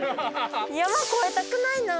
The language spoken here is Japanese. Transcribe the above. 山越えたくないな。